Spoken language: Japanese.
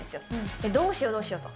で、どうしよう、どうしようと。